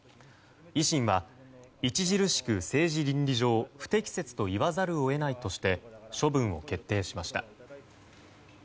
維新は著しく政治倫理上不適切と言わざるを得ないとして処分を決定しました。